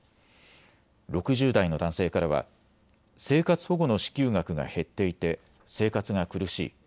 ６０代の男性からは生活保護の支給額が減っていて生活が苦しい。